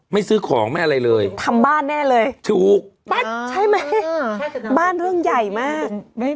ไม่ซื้อของไม่อะไรเลยทำบ้านแน่เลยถูกป๊ะใช่ไหม